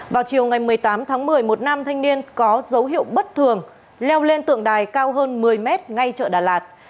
vào chiều ngày một mươi tám tháng một mươi một nam thanh niên có dấu hiệu bất thường leo lên tượng đài cao hơn một mươi mét ngay chợ đà lạt